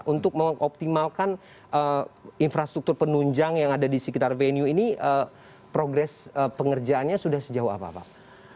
untuk mengoptimalkan infrastruktur penunjang yang ada di sekitar venue ini progres pengerjaannya sudah sejauh apa pak